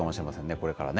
これからね。